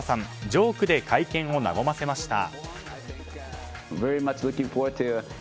ジョークで会見を和ませました。